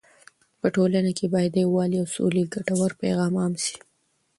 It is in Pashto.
په ټولنه کې باید د یووالي او سولې ګټور پیغام عام سي.